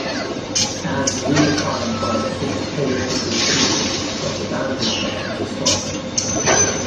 As redefined by the Fifth Periodical Review of the Boundary Commission for Scotland.